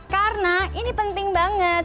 karena ini penting banget